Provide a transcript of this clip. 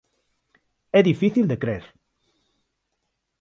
É difícil de crer.